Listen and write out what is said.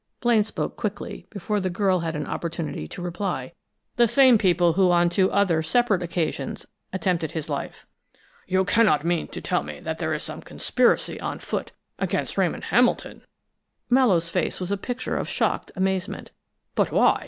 Blaine spoke quickly, before the girl had an opportunity to reply. "The same people who on two other separate occasions attempted his life!" "You cannot mean to tell me that there is some conspiracy on foot against Ramon Hamilton!" Mallowe's face was a picture of shocked amazement. "But why?